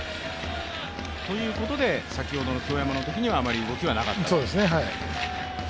ということで、昨日の京山のときにはあまり動きはなかった。